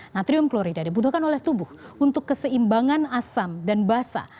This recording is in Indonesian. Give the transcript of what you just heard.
natrium klorida dibutuhkan oleh tubuh untuk keseimbangan asam dan basah